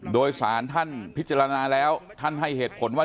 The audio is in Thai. โดยสารท่านพิจารณาแล้วท่านให้เหตุผลว่า